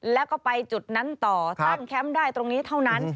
แล้วก็ไปจุดนั้นต่อตั้งแคมป์ได้ตรงนี้เท่านั้น